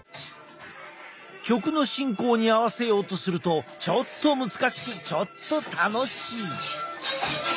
曲の進行に合わせようとするとちょっと難しくちょっと楽しい。